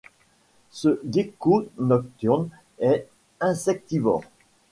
Ce gecko nocturne est insectivore.